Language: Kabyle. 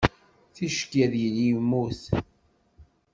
Ticki, ad yili yemmut.